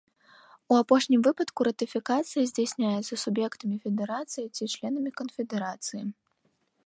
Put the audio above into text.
У апошнім выпадку ратыфікацыя здзяйсняецца суб'ектамі федэрацыі ці членамі канфедэрацыі.